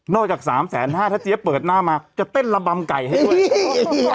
จากสามแสนห้าถ้าเจี๊ยบเปิดหน้ามาจะเต้นระบำไก่ให้ด้วย